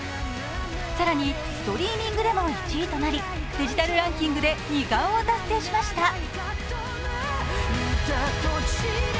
更にストリーミングでも１位となりデジタルランキングで２冠を達成しました。